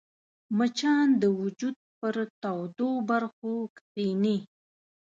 مچان د وجود پر تودو برخو کښېني